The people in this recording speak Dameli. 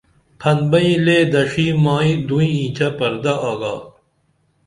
پھن بئیں لے دڇھی مائی دُوئں اینچہ پردہ آگا